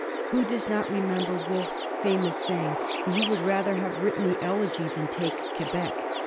Who does not remember Wolfe's famous saying that he would rather have written the Elegy than take Quebec?.